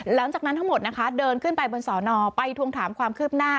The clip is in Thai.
หลังจากนั้นทั้งหมดนะคะเดินขึ้นไปบนสอนอไปทวงถามความคืบหน้า